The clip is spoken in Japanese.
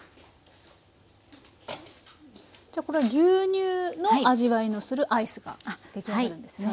じゃこれは牛乳の味わいのするアイスが出来上がるんですね。